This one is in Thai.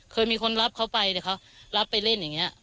เคยมีคนรับเขาไปแต่เขารับไปเล่นอย่างนี้